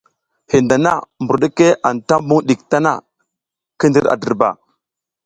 Hin dana mbur ɗike anta mbuƞ ɗik tana, ki ndir a dirba.